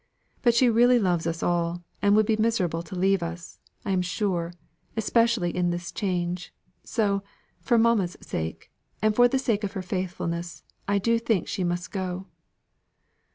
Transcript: But she really loves us all, and would be miserable to leave us, I am sure especially in this change; so, for mamma's sake, and for the sake of her faithfulness, I do think she must go."